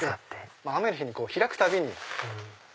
雨の日に開くたびに。